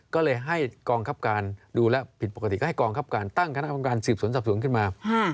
ก็เลยให้กองคับการดูแล้วผิดปกติก็ให้กองคับการตั้งคณะกรรมการสืบสวนสอบสวนขึ้นมา